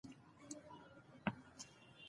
هغه له یو انګریز سیلاني سره مخ کیږي.